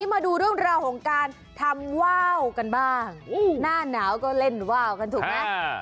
มาดูเรื่องราวของการทำว่าวกันบ้างหน้าหนาวก็เล่นว่าวกันถูกไหม